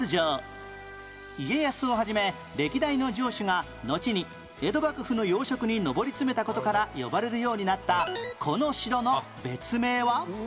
家康を始め歴代の城主がのちに江戸幕府の要職に上り詰めた事から呼ばれるようになったこの城の別名は？